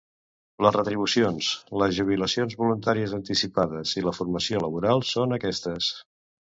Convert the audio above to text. Les retribucions, les jubilacions voluntàries anticipades i la formació laboral són aquestes.